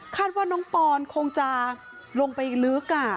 คาดว่าน้องปอนคงจะลงไปลึกอ่ะ